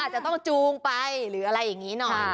จะต้องจูงไปหรืออะไรอย่างนี้หน่อย